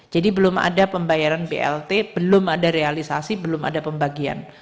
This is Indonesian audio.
jadi belum ada pembayaran blt belum ada realisasi belum ada pembagian